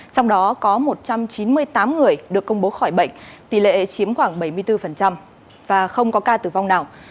trong đó có một trăm chín mươi tám người được công bố khỏi bệnh tỷ lệ chiếm khoảng bảy mươi bốn và không có ca tử vong nào